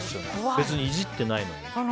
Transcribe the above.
別にいじってないのに。